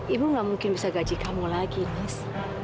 ibu gak mungkin bisa gaji kamu lagi mas